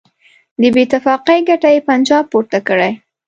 د بېاتفاقۍ ګټه یې پنجاب پورته کړي.